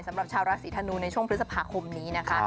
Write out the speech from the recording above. สำหรับชาวราศีธนูในช่วงพฤษภาคมนี้นะคะ